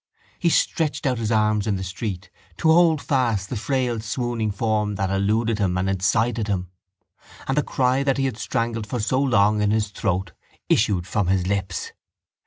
He stretched out his arms in the street to hold fast the frail swooning form that eluded him and incited him: and the cry that he had strangled for so long in his throat issued from his lips.